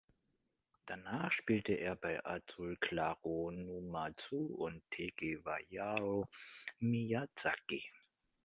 Danach spielte er bei Azul Claro Numazu und Tegevajaro Miyazaki.